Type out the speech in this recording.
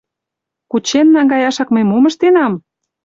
— Кучен наҥгаяшак мый мом ыштенам?